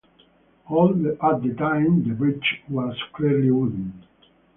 At the time, the bridge was clearly wooden.